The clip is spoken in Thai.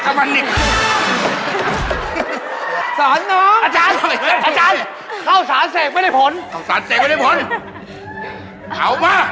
แล้วมันส่งให้มาทำอะไรเนี่ย